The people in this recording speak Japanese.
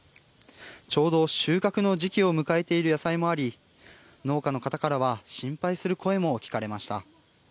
ちょうど収穫の時期を迎えている野菜もあり、農家の方からは心配する声も聞かれました。